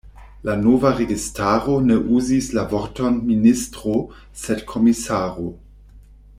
La nova registaro ne uzis la vorton „ministro”, sed komisaro.